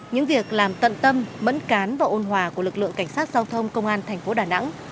những việc làm tận tâm mẫn cán và ôn hòa của lực lượng cảnh sát giao thông công an thành phố đà nẵng